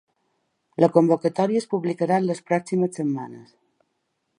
La convocatòria es publicarà en les pròximes setmanes.